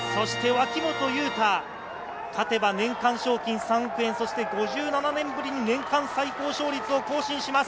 そして脇本雄太、勝てば年間賞金３億円、そして５７年ぶりに年間最高勝率を更新します。